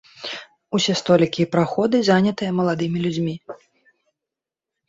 Усе столікі і праходы занятыя маладымі людзьмі.